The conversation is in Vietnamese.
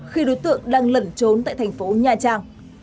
khi đối tượng đang lẩn trốn tại thành phố nha trang